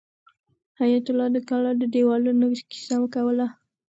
حیات الله د کلا د دیوالونو کیسه کوله.